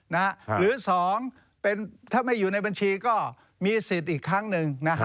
หรือ๒ถ้าไม่อยู่ในบัญชีก็มีสิทธิ์อีกครั้งหนึ่งนะฮะ